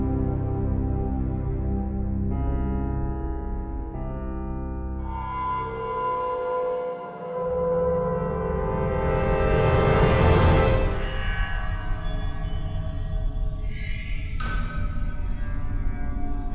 aku mau lihat